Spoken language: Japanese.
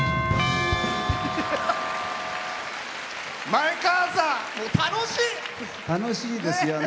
前川さん、楽しい！楽しいですよね。